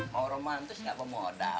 mau romantis gak mau modal